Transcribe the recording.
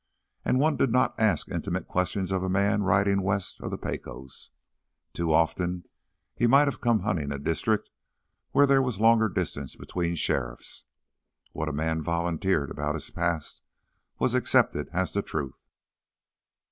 And one did not ask intimate questions of a man riding west of the Pecos. Too often he might have come hunting a district where there was a longer distance between sheriffs. What a man volunteered about his past was accepted as the truth.